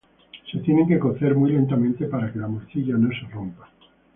Se tienen que cocer muy lentamente para que la morcilla no se rompa.